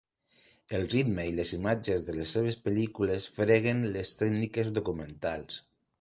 El ritme i les imatges de les seves pel·lícules freguen les tècniques documentals.